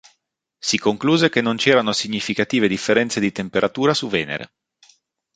Si concluse che non c'erano significative differenze di temperatura su Venere.